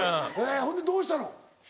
ほんでどうしたの？